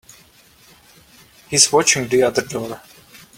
He's watching the other door.